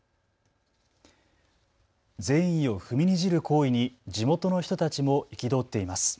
善意を踏みにじる行為に地元の人たちも憤っています。